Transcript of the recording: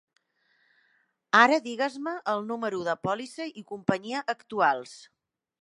Ara digues-me el número de pòlissa i companyia actuals.